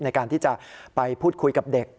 ในการที่จะไปพูดคุยกับเด็ก